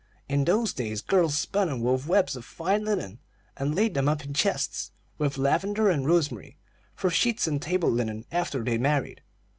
In those days girls spun and wove webs of fine linen and laid 'em up in chests, with lavender and rosemary, for sheets and table linen after they married.